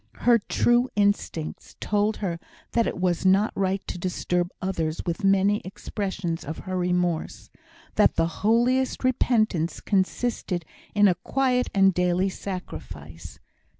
Her true instincts told her that it was not right to disturb others with many expressions of her remorse; that the holiest repentance consisted in a quiet and daily sacrifice.